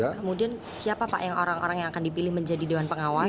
kemudian siapa pak yang orang orang yang akan dipilih menjadi dewan pengawas